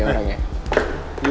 saya mau ngeliat